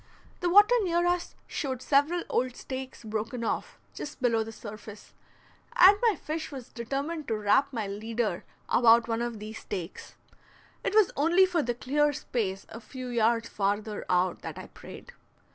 The water near us showed several old stakes broken off just below the surface, and my fish was determined to wrap my leader about one of these stakes; it was only for the clear space a few yards farther out that I prayed.